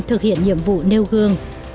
thực hiện nhiệm vụ nêu gương